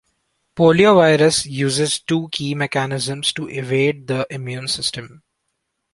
Poliovirus uses two key mechanisms to evade the immune system.